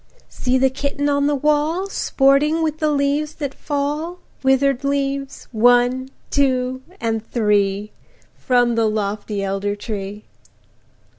See the Kitten on the wall, Sporting with the leaves that fall, Withered leaves–one–two–and three– From the lofty elder tree!